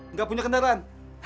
nggak punya kendaraan